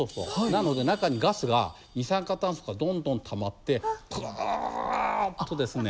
なので中にガスが二酸化炭素がどんどんたまってぐっとですね